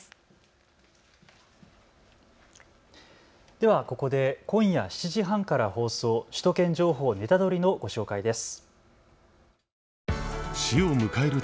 ではここで今夜７時半から放送、首都圏情報ネタドリ！のご紹介です。